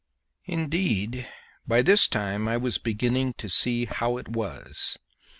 Indeed, by this time I was beginning to see how it was.